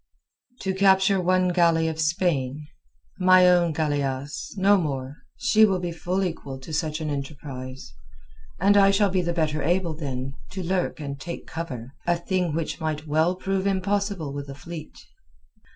"To capture one galley of Spain? My own galeasse, no more; she will be full equal to such an enterprise, and I shall be the better able, then, to lurk and take cover—a thing which might well prove impossible with a fleet."